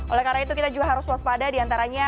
oleh karena itu kita juga harus waspada diantaranya